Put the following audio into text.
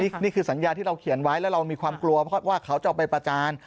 นี่คือสัญญาที่เราเขียนไว้แล้วเรามีความกลัวเพราะว่าเขาจะเอาไปประจาน